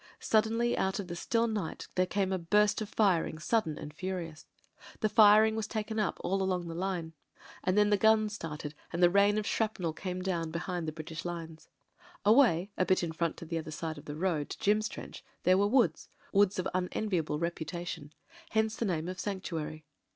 Suddenly out of the still night there came a burst of firing, sudden and furious. The firing was taken up all along the line, and then 28o MEN, WOMEN AND GUNS the guns started and a rain of shrapnel came down be hind the British lines. Away — a bit in front on the other side of the road to Jim's trench there were woods — ^woods of imen viable reputation. Hence the name of "Sanctuary."